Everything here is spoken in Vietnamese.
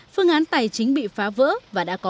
phương án tài chính bị phá vỡ